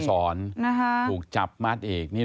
โดนไปหกทีนี่ไม่น้อยนะครับ